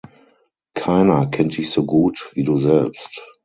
Keiner kennt dich so gut, wie du selbst.